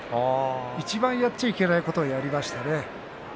いちばんやってはいけないことをやりましたね